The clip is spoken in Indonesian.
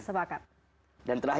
nah kita akan menceritakan